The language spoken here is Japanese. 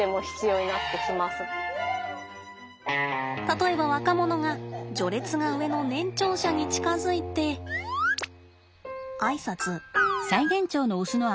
例えば若者が序列が上の年長者に近づいてあいさつ。